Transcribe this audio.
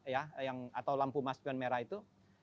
ya atau lampu maspion merah itu